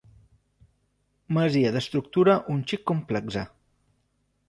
Masia d'estructura un xic complexa.